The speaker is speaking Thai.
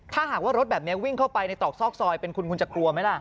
ถ้าหากว่ารถแบบนี้วิ่งเข้าไปในตรอกซอกซอยเป็นคุณคุณจะกลัวไหมล่ะ